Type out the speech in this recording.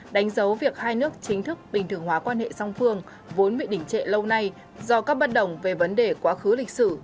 đánh dấu việc hai nước chính thức bình thường hóa quan hệ song phương vốn bị đỉnh trệ lâu nay do các bất đồng về vấn đề quá khứ lịch sử